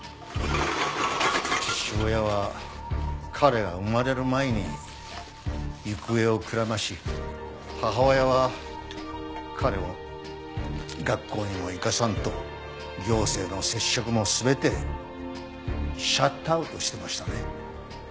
父親は彼が生まれる前に行方をくらまし母親は彼を学校にも行かさんと行政の接触も全てシャットアウトしてましたね。